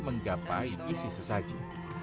menggapai isi sesaji